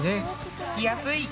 聞きやすい。